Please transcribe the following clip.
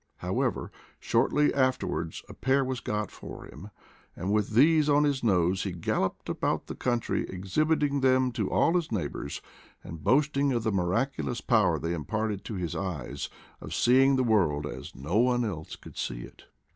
However, shortly afterwards a pair was got for him; and with these on his nose he galloped about the country, exhibiting them to all his neighbors, and boasting of the miraculous power they imparted to his eyes of seeing the world as no one else could see it.